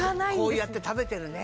こうやって食べてるね。